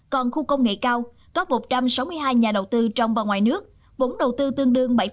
còn khu công nghệ cao có một trăm sáu mươi hai nhà đầu tư trong và ngoài nước vốn đầu tư tương đương bảy chín tỷ usd